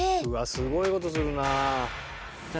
すごいことするなあ。